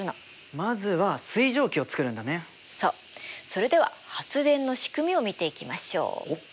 それでは発電のしくみを見ていきましょう。